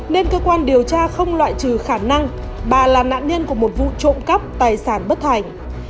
nên cơ quan điều tra không loại trừ khả năng bà là nạn nhân của một vụ trộm cắp tài sản bất thành